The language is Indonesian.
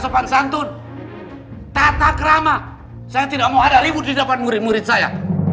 kau aja tampar gua